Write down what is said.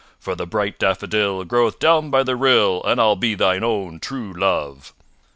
For the bright daffodil Groweth down by the rill And I'll be thine own true love_."